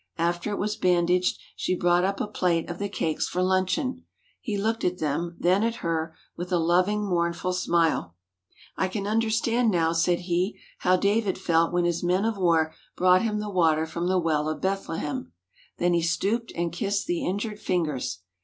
After it was bandaged, she brought up a plate of the cakes for luncheon. He looked at them, then at her, with a loving, mournful smile. "I can understand now," said he, "how David felt when his men of war brought him the water from the well of Bethlehem." Then he stooped and kissed the injured fingers.